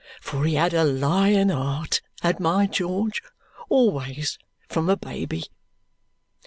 For he had a lion heart, had my George, always from a baby!"